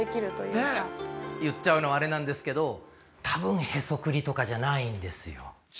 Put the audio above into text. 言っちゃうのはあれなんですけど多分へそくりとかじゃないんですよ。